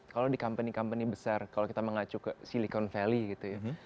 kalau di company company besar kalau kita mengacu ke silicon valley gitu ya